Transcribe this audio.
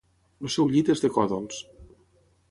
El seu llit és de còdols.